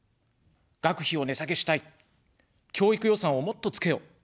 「学費を値下げしたい」、「教育予算をもっとつけよ」。